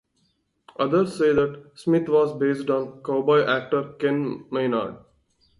Others say that Smith was based on cowboy actor Ken Maynard.